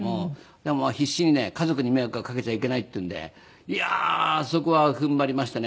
でもまあ必死にね家族に迷惑はかけちゃいけないっていうのでいやーそこは踏ん張りましてね。